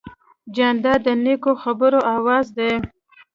جانداد د نیکو خبرو آواز دی.